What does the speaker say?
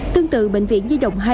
tương tự bệnh viện di động hai